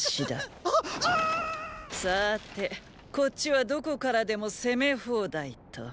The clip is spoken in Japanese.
さァてこっちはどこからでも攻め放題と。